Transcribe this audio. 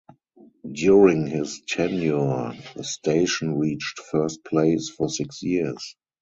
During his tenure, the station reached first place for six years.